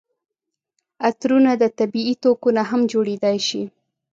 عطرونه د طبیعي توکو نه هم جوړیدای شي.